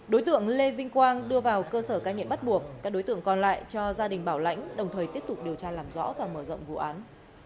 đối tượng lê vinh quang đưa vào cơ sở cai nghiện bắt buộc các đối tượng còn lại cho gia đình bảo lãnh đồng thời tiếp tục điều tra làm rõ và mở rộng vụ án